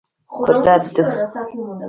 قدرت د غرونو تر شا لمر راخیژوي.